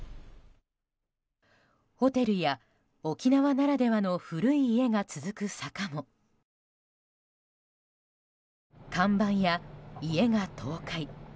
ホテルや、沖縄ならではの古い家が続く坂も看板や家が倒壊。